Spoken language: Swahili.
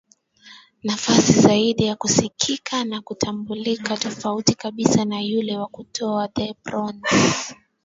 Nafasi zaidi ya kusikika na kutambulika tofauti kabisa na ule wa kutoka The Bronx